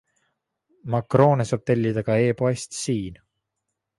Makroone saab tellida ka e-poest SIIN!